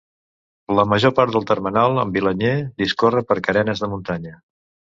La major part del termenal amb Vilaller discorre per carenes de muntanya.